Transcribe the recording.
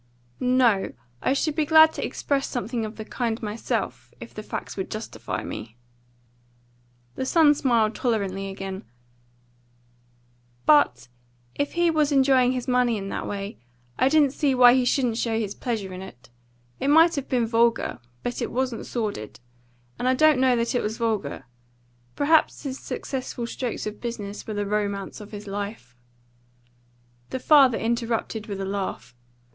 "No. I should be glad to express something of the kind myself, if the facts would justify me." The son smiled tolerantly again. "But if he was enjoying his money in that way, I didn't see why he shouldn't show his pleasure in it. It might have been vulgar, but it wasn't sordid. And I don't know that it was vulgar. Perhaps his successful strokes of business were the romance of his life " The father interrupted with a laugh.